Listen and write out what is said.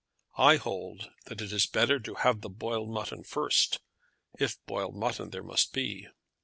I hold that it is better to have the boiled mutton first, if boiled mutton there must be.